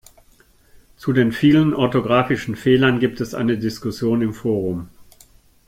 Zu den vielen orthografischen Fehlern gibt es eine Diskussion im Forum.